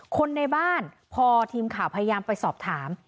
คนในบ้านพอทีมข่าวพยายามไปสอบถาม